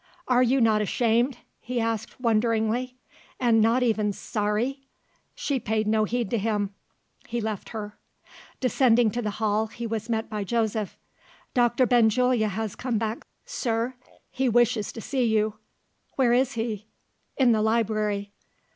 "Are you not ashamed?" he asked wonderingly. "And not even sorry?" She paid no heed to him. He left her. Descending to the hall, he was met by Joseph. "Doctor Benjulia has come back, sir. He wishes to see you." "Where is he?" "In the library."